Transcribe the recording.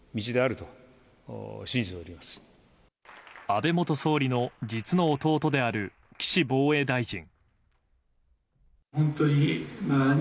安倍元総理の実の弟である岸防衛大臣。